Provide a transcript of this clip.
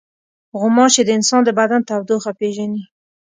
غوماشې د انسان د بدن تودوخه پېژني.